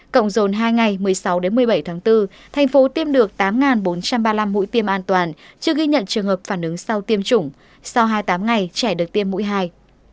cộng dồn hai ngày một mươi sáu một mươi bảy tháng bốn thành phố tiêm được tám bốn trăm ba mươi năm mũi tiêm an toàn chưa ghi nhận trường hợp phản ứng sau tiêm chủng sau hai mươi tám ngày trẻ được tiêm mũi hai